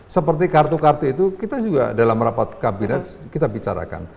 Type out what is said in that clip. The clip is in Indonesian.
seperti kartu kartu itu kita juga dalam rapat kabinet kita bicarakan